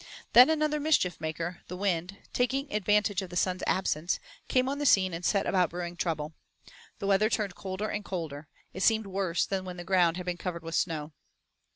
Then another mischief maker, the wind, taking advantage of the sun's absence, came on the scene and set about brewing trouble. The weather turned colder and colder; it seemed worse than when the ground had been covered with snow.